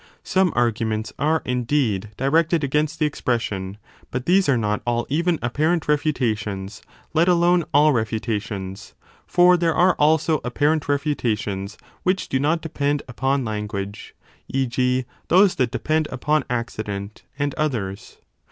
Some arguments are, indeed, directed against the expression : but these l are not all even appar ent refutations, let alone all refutations. For there are also 25 apparent refutations which do not depend upon language, e. g. those that depend upon accident, and others.